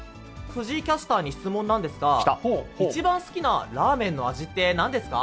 藤井キャスターに質問なんですが、一番好きなラーメンの味ってなんですか？